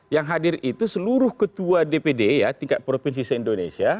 yang hadir itu seluruh ketua dpd ya tingkat provinsi se indonesia